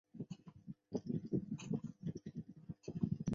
香港电影金像奖为香港电影业的一大盛事。